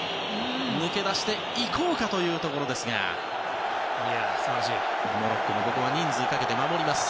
抜け出していこうかというところでしたがモロッコもここは人数をかけて守ります。